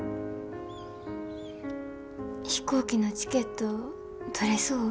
飛行機のチケット取れそう？